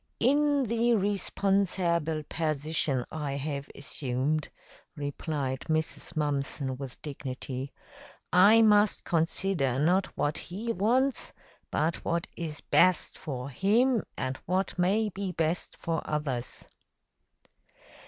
"In the responserble persition I have assumed," replied Mrs. Mumpson with dignity, "I must consider not what he wants, but what is best for him and what may be best for others."